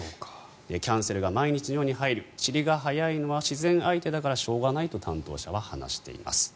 キャンセルが毎日のように入る散りが早いのは自然相手だからしょうがないと担当者は話しています。